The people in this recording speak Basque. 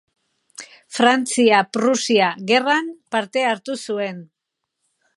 Frantzia-Prusia Gerran parte hartu zuen.